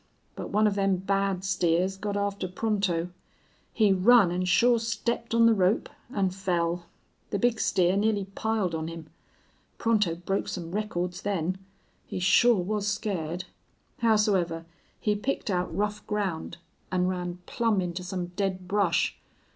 But one of them bad steers got after Pronto. He run an' sure stepped on the rope, an' fell. The big steer nearly piled on him. Pronto broke some records then. He shore was scared. Howsoever he picked out rough ground an' run plumb into some dead brush.